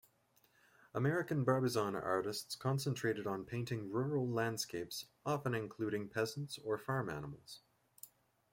American Barbizon artists concentrated on painting rural landscapes often including peasants or farm animals.